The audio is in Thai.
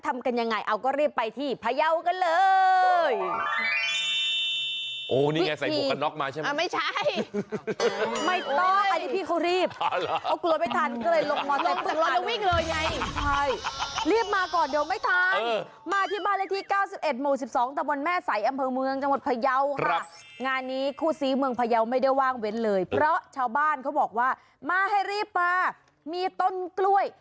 มีเพื่อนมาดูต้นกล้วย